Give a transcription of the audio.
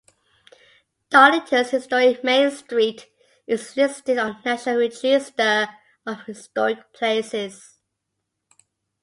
Darlington's historic Main Street is listed on the National Register of Historic Places.